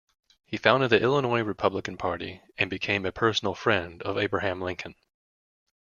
He founded the Illinois Republican Party and became a personal friend of Abraham Lincoln.